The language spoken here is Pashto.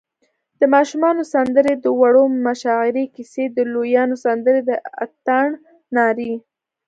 د ماشومانو سندرې، د وړو مشاعرې، کیسی، د لویانو سندرې، د اتڼ نارې